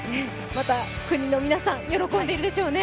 また国の皆さん、喜んでいるでしょうね。